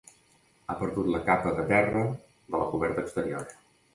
Ha perdut la capa de terra de la coberta exterior.